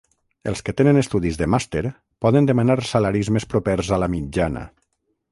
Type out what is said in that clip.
Els que tenen estudis de màster poden demanar salaris més propers a la mitjana.